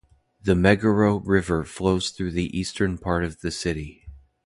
The Meguro River flows through the eastern part of the city.